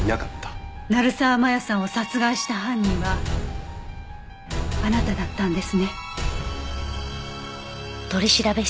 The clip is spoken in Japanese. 成沢真弥さんを殺害した犯人はあなただったんですね。